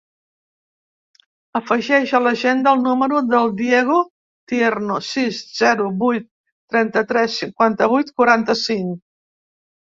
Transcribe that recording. Afegeix a l'agenda el número del Diego Tierno: sis, zero, vuit, trenta-tres, cinquanta-vuit, quaranta-cinc.